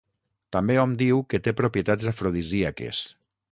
També hom diu que té propietats afrodisíaques.